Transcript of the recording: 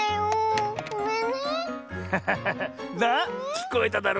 きこえただろ。